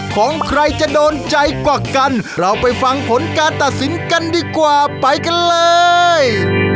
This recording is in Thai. ของใครจะโดนใจกว่ากันเราไปฟังผลการตัดสินกันดีกว่าไปกันเลย